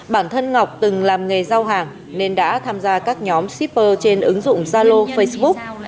bản thân ngọc từng làm nghề giao hàng nên đã tham gia các nhóm shipper trên ứng dụng zalo facebook